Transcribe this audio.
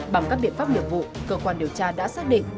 bằng các biện pháp nghiệp vụ cơ quan điều tra đã xác định